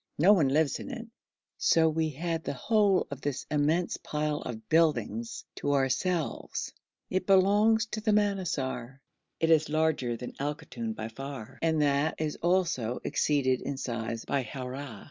No one lives in it, so we had the whole of this immense pile of buildings to ourselves. It belongs to Manassar. It is larger than Al Koton by far, and that is also exceeded in size by Haura.